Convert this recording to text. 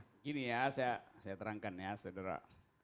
tolonglah gini ya saya terangkan ya sederha